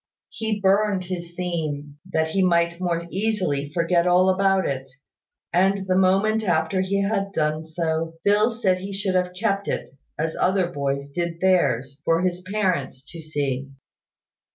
He burned his theme, that he might the more easily forget all about it; and the moment after he had done so, Phil said he should have kept it, as other boys did theirs, for his parents to see.